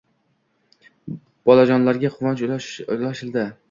Bolajonlarga quvonch ulashildi